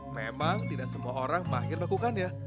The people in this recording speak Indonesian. memang tidak semua orang mahir melakukannya